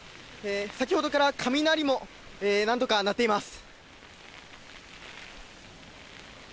先ほどから雷も何度か鳴っています。